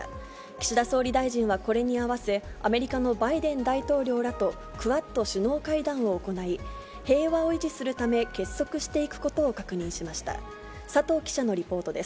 岸田総理大臣はこれに合わせ、アメリカのバイデン大統領らとクアッド首脳会談を行い、平和を維持するため結束していくことを確認しました。